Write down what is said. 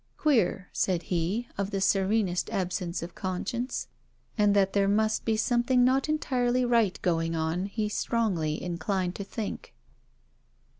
'Queer,' said he of the serenest absence of conscience; and that there must be something not entirely right going on, he strongly inclined to think.